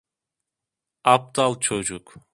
Aptal çocuk!